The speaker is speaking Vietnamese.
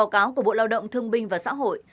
của bộ lao động thương binh và xã hội